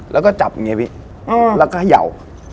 แล้วก็จับนี้พี่แล้วก็เหยา